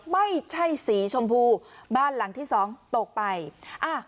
ไม่ใช่สีชมพูบ้านหลังที่สองตกไปอ่า